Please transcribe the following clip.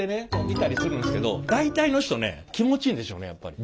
見たりするんですけど大体の人ね気持ちいいんでしょうねやっぱり。